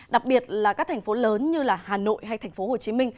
đặc biệt là các thành phố lớn như hà nội hay tp hcm